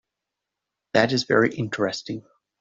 That is very interesting.